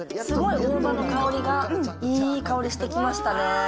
すごい大葉の香りがいい香りしてきましたね。